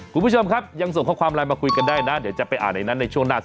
คุณผู้ชมครับยังส่งข้อความไลน์มาคุยกันได้นะเดี๋ยวจะไปอ่านในนั้นในช่วงหน้า